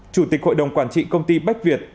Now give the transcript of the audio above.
chủ tịch hội đồng quản trị công ty bách việt